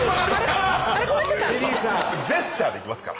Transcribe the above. ジェスチャーでいきますから。